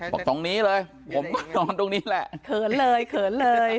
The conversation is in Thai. บอกตรงนี้เลยผมก็นอนตรงนี้แหละเขินเลยเขินเลย